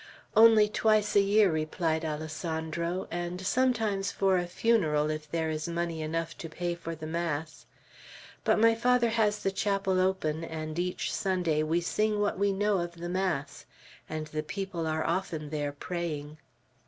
"Only twice a year," replied Alessandro; "and sometimes for a funeral, if there is money enough to pay for the mass. But my father has the chapel open, and each Sunday we sing what we know of the mass; and the people are often there praying."